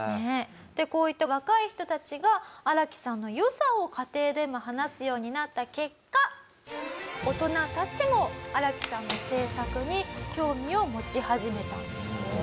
こういった若い人たちがアラキさんの良さを家庭でも話すようになった結果大人たちもアラキさんの政策に興味を持ち始めたんです。